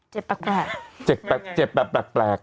เจ็บแปลกแปลกเจ็บแปลกแปลกแปลกแปลก